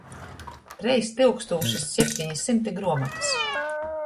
Treis tyukstūšys septeni symti gruomotys.